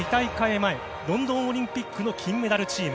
前ロンドンオリンピックの金メダルチーム。